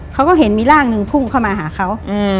เขาก็เห็นมีร่างหนึ่งพุ่งเข้ามาหาเขา